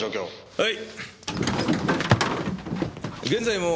はい。